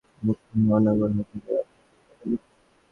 গতকাল রিমান্ড শেষে তাকে ঢাকার মুখ্য মহানগর হাকিমের আদালতে পাঠানো হয়।